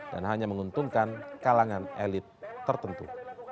dan hanya menguntungkan kalangan elit tertentu